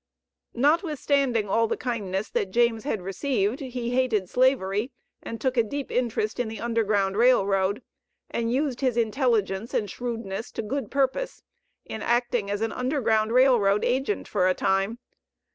Notwithstanding all the kindness that James had received, he hated Slavery, and took a deep interest in the Underground Rail Road, and used his intelligence and shrewdness to good purpose in acting as an Underground Rail Road agent for a time.